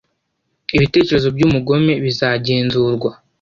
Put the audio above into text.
Ibitekerezo by’umugome bizagenzurwa,